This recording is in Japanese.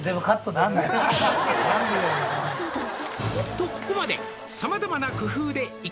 「とここまで」